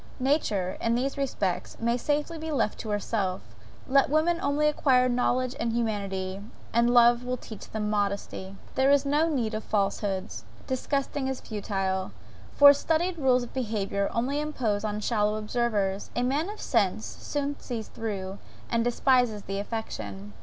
Nature, in these respects, may safely be left to herself; let women only acquire knowledge and humanity, and love will teach them modesty. There is no need of falsehoods, disgusting as futile, for studied rules of behaviour only impose on shallow observers; a man of sense soon sees through, and despises the affectation.